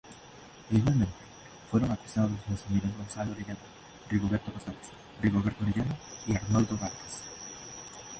Igualmente fueron acusados los señores Gonzalo Orellana, Rigoberto Rosales, Rigoberto Orellana y Arnoldo Vargas.